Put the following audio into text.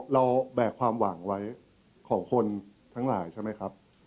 แบกความหวังไว้ของคนทั้งหลายใช่ไหมครับ